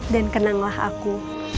dan kenanglah aku